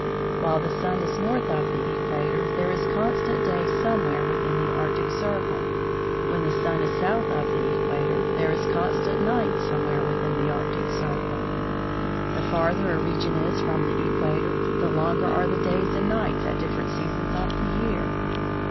While the sun is north of the equator, there is constant day somewhere within the Arctic circle ; when the sun is south of the equator, there is constant night somewhere within the Arctic circle. The farther a region is from the equator, the longer are the days and nights at different seasons of the year.